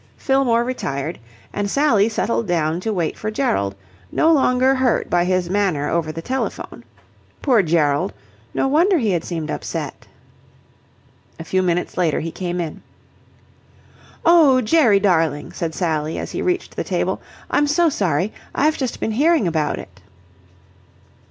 Fillmore retired and Sally settled down to wait for Gerald, no longer hurt by his manner over the telephone. Poor Gerald! No wonder he had seemed upset. A few minutes later he came in. "Oh, Jerry darling," said Sally, as he reached the table, "I'm so sorry. I've just been hearing about it."